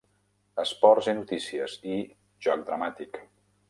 "Esports i Notícies" i "Joc Dramàtic".